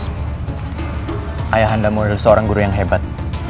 nimas ayah andamu adalah seorang guru yang hebat